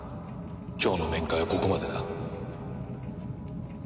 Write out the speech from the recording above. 今日の面会はここまでだ。